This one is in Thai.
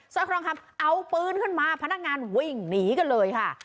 รอยครองคำเอาปืนขึ้นมาพนักงานวิ่งหนีกันเลยค่ะ